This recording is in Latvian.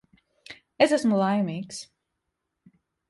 Es esmu laimīgs.